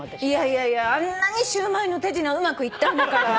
いやいやあんなにシュウマイの手品うまくいったんだから。